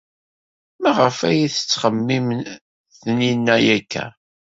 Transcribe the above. Maɣef ay tettxemmim Taninna akka?